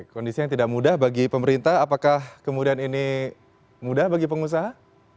kondisi yang tidak mudah bagi pemerintah apakah kemudian ini mudah bagi pengusaha